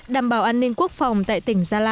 đảm bảo an ninh quốc phòng tại tỉnh gia lai